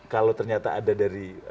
kalau ternyata ada dari